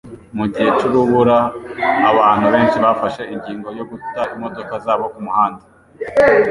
Mugihe c'urubura, abantu benshi bafashe ingingo yo guta imodoka zabo kumuhanda .